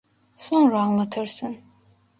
Sonra anlatırsın.